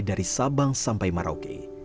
dari sabang sampai marauki